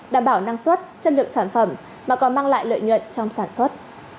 đảm bảo năng suất chất lượng sản phẩm mà còn mang lại lợi nhuận trong sản xuất